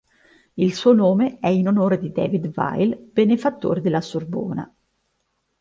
Il suo nome è in onore di David Weill, benefattore della Sorbona.